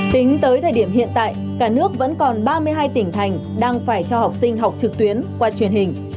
tính tới thời điểm hiện tại cả nước vẫn còn ba mươi hai tỉnh thành đang phải cho học sinh học trực tuyến qua truyền hình